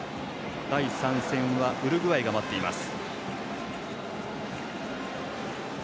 第３戦はウルグアイが待っています。